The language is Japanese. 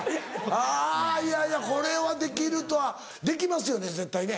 あぁいやいやこれはできるとは。できますよね絶対ね。